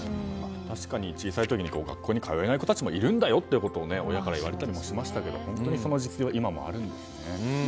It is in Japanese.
確かに小さい時に学校に通えない子たちもいるんだよっていうことを親から言われたりしましたが本当にその実情今もあるんですね。